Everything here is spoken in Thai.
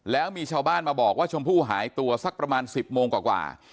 แล้วมีชาวบ้านมาบอกว่าชมพู่หายตัวสักประมาณ๑๐โมงกว่า